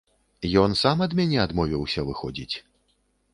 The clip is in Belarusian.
Ён сам ад мяне адмовіўся, выходзіць.